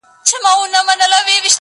o چي بد گرځي، بد به پرځي.